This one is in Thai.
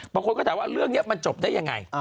บางคนก็ถามว่าเรื่องนี้มันจบได้ยังไง